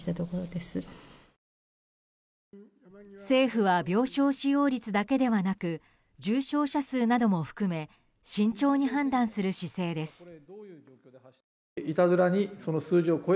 政府は病床使用率だけではなく重症者数なども含め慎重に判断する姿勢です。